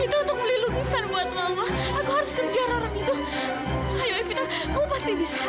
itu untuk beli lukisan buat mama aku harus kerja larang itu kamu pasti bisa